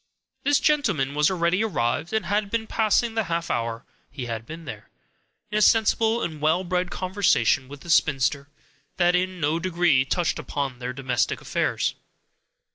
This gentleman was already arrived, and had been passing the half hour he had been there, in a sensible and well bred conversation with the spinster, that in no degree touched upon their domestic affairs.